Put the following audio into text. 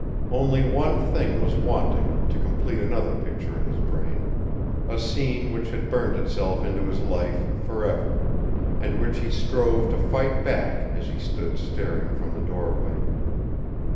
Only one thing was wanting to complete another picture in his brain a scene which had burned itself into his life for ever, and which he strove to fight back as he stood staring from the doorway.